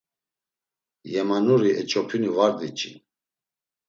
Yemanuri eç̌opinu var diç̌in.